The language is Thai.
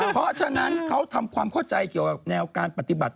เพราะฉะนั้นเขาทำความเข้าใจเกี่ยวกับแนวการปฏิบัติ